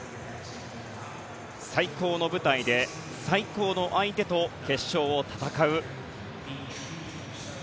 最高の舞台で最高の相手と決勝を戦う。